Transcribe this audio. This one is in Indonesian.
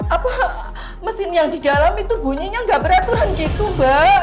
apa mesin yang di dalam itu bunyinya nggak peraturan gitu mbak